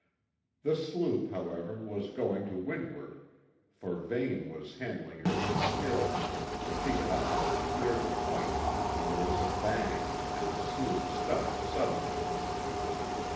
The sloop, however, was going to windward, for Vane was handling her with skill, and she had almost cleared the point when there was a bang, and the sloop stopped suddenly.